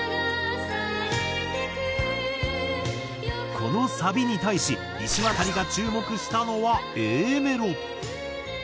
このサビに対しいしわたりが注目したのはＡメロ。